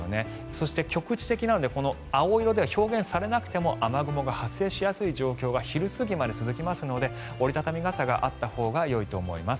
そして局地的なので青色では表現されなくても雨雲が発生しやすい状況が昼過ぎまで続きますので折り畳み傘があったほうがよいと思います。